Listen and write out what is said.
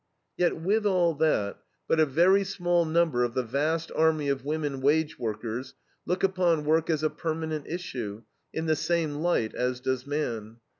Yet with all that, but a very small number of the vast army of women wage workers look upon work as a permanent issue, in the same light as does man.